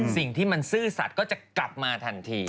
สิ่งที่มันซื่อสัตว์ก็จะกลับมาทันที